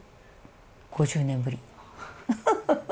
５０年ぶり。